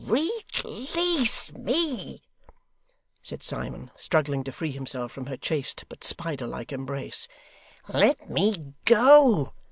'Release me,' said Simon, struggling to free himself from her chaste, but spider like embrace. 'Let me go!